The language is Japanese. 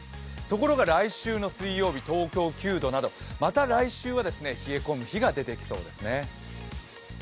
ところが来週の水曜日東京９度など、また来週は冷え込む日が出てきそうですね。